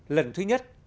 lần thứ nhất